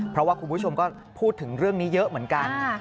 เพราะว่าคุณผู้ชมก็พูดถึงเรื่องนี้เยอะเหมือนกัน